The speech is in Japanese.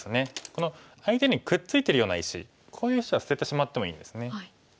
この相手にくっついてるような石こういう石は捨ててしまってもいいんですね。